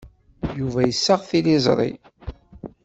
Yuba yessaɣ tiliẓri.